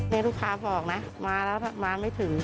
นี่ลูกค้าบอกนะมาแล้วมาไม่ถึง